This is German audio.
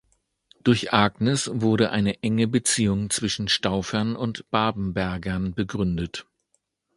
Durch Agnes wurde eine enge Beziehung zwischen Staufern und Babenbergern begründet.